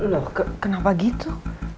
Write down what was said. loh kenapa gitu